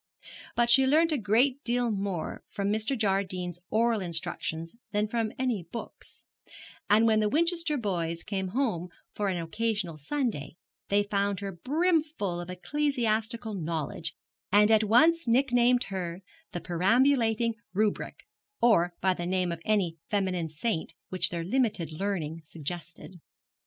But she learnt a great deal more from Mr. Jardine's oral instructions than from any books, and when the Winchester boys came home for an occasional Sunday they found her brimful of ecclesiastical knowledge, and at once nicknamed her the Perambulating Rubric, or by the name of any feminine saint which their limited learning suggested.